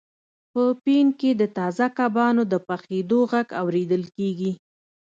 په پین کې د تازه کبانو د پخیدو غږ اوریدل کیږي